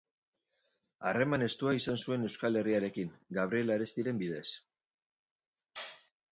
Harreman estua izan zuen Euskal Herriarekin, Gabriel Arestiren bidez.